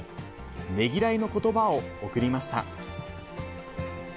ねぎらいのことばを送りました。